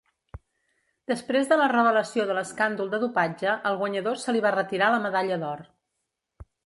Després de la revelació de l'escàndol de dopatge, al guanyador se li va retirar la medalla d'or.